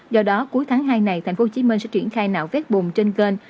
do đó cuối tháng hai này tp hcm sẽ triển khai nào phép bùng trên kênh